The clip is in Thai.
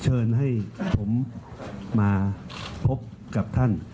เชิญให้ผมมาพบกับท่าน